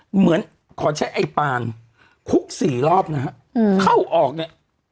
เหมือนขอใช้ไอ้ปานคุกสี่รอบนะฮะเข้าออกเนี่ย